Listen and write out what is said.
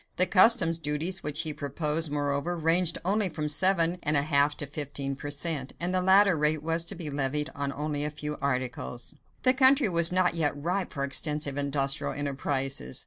The customs duties which he proposed, moreover, ranged only from seven and a half to fifteen per cent., and the latter rate was to be levied on only a few articles. The country was not yet ripe for extensive industrial enterprises.